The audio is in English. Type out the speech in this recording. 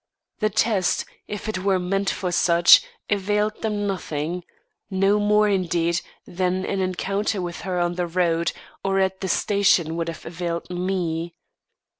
The test, if it were meant for such, availed them nothing; no more, indeed, than an encounter with her on the road, or at the station would have availed me.